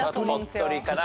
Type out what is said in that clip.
鳥取かな。